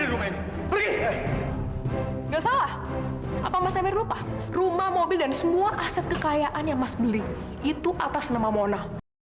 nggak salah apa mas emir lupa rumah mobil dan semua aset kekayaan yang mas beli itu atas nama mona